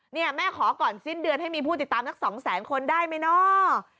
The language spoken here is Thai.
เนี่ยแม่ขอก่อนสิ้นเดือนให้มีผู้ติดตามสัก๒แสนคนได้ไหมเนาะ